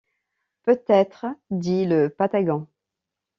Peut-être, » dit le Patagon.